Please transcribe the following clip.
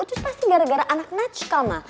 terus pasti gara gara anak nacikal ma